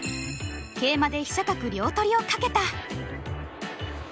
桂馬で飛車角両取りをかけた。